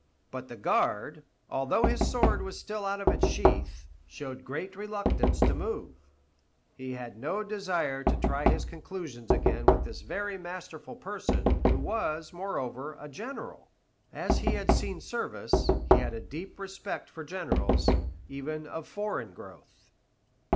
But the guard, although his sword was still out of its sheath, showed great reluctance to move. He had no desire to try conclusions again with this very masterful person, who was, moreover, a general; as he had seen service, he had a deep respect for generals, even of foreign growth.